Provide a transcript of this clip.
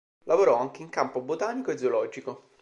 Lavorò anche in campo botanico e zoologico.